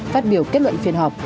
phát biểu kết luận phiên họp